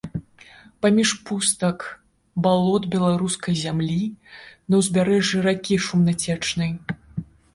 Паміж пустак, балот беларускай зямлі, на ўзбярэжжы ракі шумнацечнай.